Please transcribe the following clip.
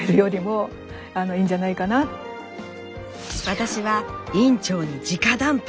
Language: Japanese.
私は院長にじか談判。